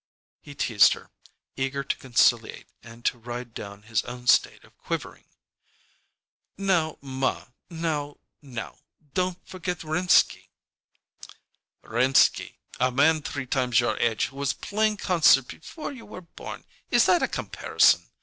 He teased her, eager to conciliate and to ride down his own state of quivering. "Now, ma now now don't forget Rimsky!" "Rimsky! A man three times your age who was playing concerts before you was born! Is that a comparison?